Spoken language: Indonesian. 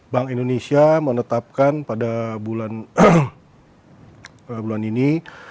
bank indonesia menetapkan pada bulan ini